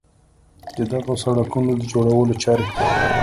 د دغو سړکونو د جوړولو چارې